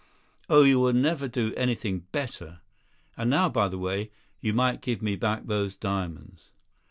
Oh, you will never do anything better. And now, by the way, you might give me back those diamonds."